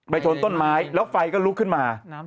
ชนต้นไม้แล้วไฟก็ลุกขึ้นมา